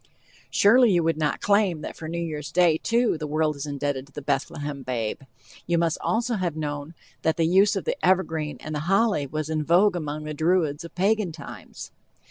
Surely you would not claim that for New Year's day, too, the world is indebted to the Bethlehem babe. You must also have known that the use of the evergreen and the holy was in vogue among the Druids of Pagan times.